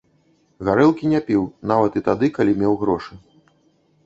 Гарэлкі не піў нават і тады, калі меў грошы.